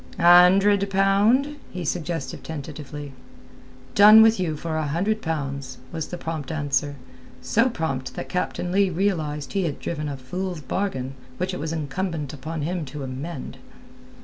"A hundred pound?" he suggested tentatively. "Done with you for a hundred pounds," was the prompt answer—so prompt that Captain Leigh realized he had driven a fool's bargain which it was incumbent upon him to amend.